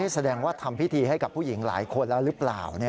แสดงว่าทำพิธีให้กับผู้หญิงหลายคนแล้วหรือเปล่า